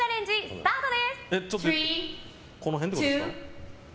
スタートです！